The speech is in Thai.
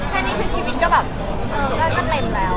แค่นี้ชีวิตก็ค่ะแบบเอิ้นหรือก็เต็มแล้ว